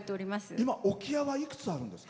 今、置屋はいくつあるんですか？